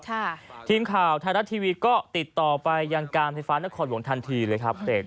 ทีมข่าวไทยรัฐทีวีก็ติดต่อไปยังการไฟฟ้านครหลวงทันทีเลยครับ